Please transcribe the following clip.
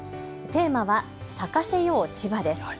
テーマは咲かせよう千葉です。